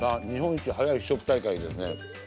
日本一早い試食大会ですね。